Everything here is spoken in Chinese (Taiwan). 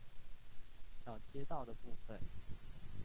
小街道的部分